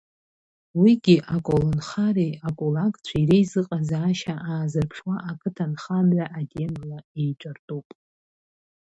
Уигьы аколнхареи акулакцәеи реизыҟазаашьа аазырԥшуа ақыҭанхамҩа атемала еиҿартәуп.